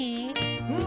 うん？